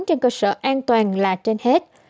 trên cơ sở an toàn là trên hết